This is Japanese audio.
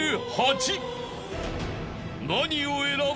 ［何を選ぶ？］